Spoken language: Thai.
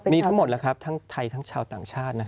มีทั้งหมดแล้วครับทั้งไทยทั้งชาวต่างชาติ